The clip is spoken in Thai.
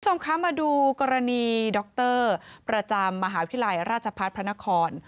คุณผู้ชมคะมาดูกรณีดรประจำมหาวิทยาลัยราชพัฒน์พระนคร